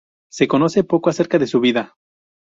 Se conoce poco acerca de su vida.